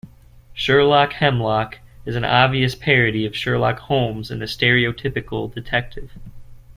Sherlock Hemlock is an obvious parody of Sherlock Holmes and the stereotypical detective.